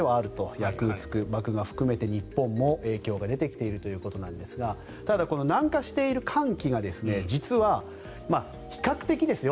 ヤクーツク、漠河を含めて日本も影響が出てきているということなんですが南下している寒気が実は比較的ですよ